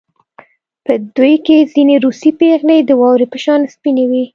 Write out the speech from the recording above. په دوی کې ځینې روسۍ پېغلې د واورې په شان سپینې وې